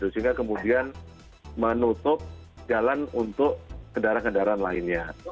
sehingga kemudian menutup jalan untuk kendaraan kendaraan lainnya